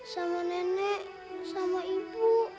sama nenek sama ibu